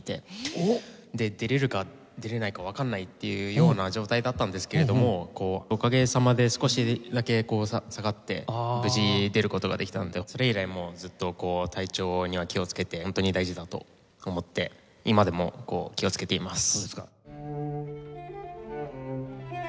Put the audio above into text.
出れるか出れないかわかんないっていうような状態だったんですけれどもおかげさまで少しだけ下がって無事出る事ができたのでそれ以来もうずっと体調には気を付けてホントに大事だと思って今でも気を付けています。